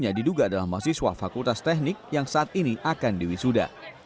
masa itu memiliki kekuatan dari mata bersama dan persifat fakultas teknik yang saat ini akan diwisuda